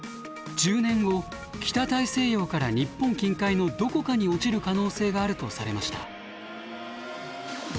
１０年後北大西洋から日本近海のどこかに落ちる可能性があるとされました。